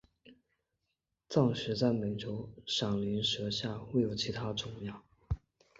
暂时在美洲闪鳞蛇下未有其它亚种。